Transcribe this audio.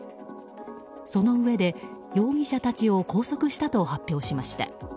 そのうえで容疑者たちを拘束したと発表しました。